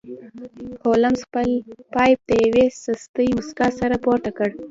هولمز خپل پایپ د یوې سستې موسکا سره پورته کړ